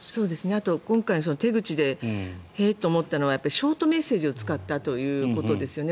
あと今回の手口でへえと思ったのはショートメッセージを使ったということですよね。